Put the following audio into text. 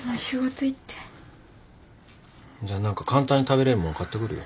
じゃあ何か簡単に食べれるもん買ってくるよ。